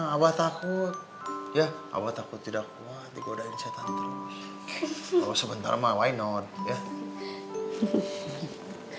abah takut ya abah takut tidak kuat dikodain setan terus sebentar mah why not ya hehehe